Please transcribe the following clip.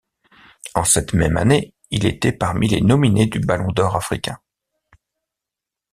En cette même année, il était parmi les nominés du Ballon d'or africain.